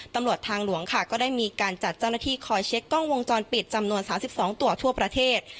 ตำรวจทางหลวงค่ะก็ได้มีการจัดเจ้าหน้าที่คอยเช็คกล้องวงจรปิดจำนวน๓๒ตัวทั่วประเทศ